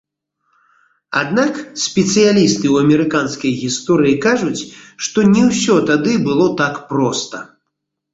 Аднак спецыялісты ў амерыканскай гісторыі кажуць, што не ўсё тады было так проста.